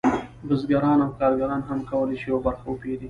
بزګران او کارګران هم کولی شي یوه برخه وپېري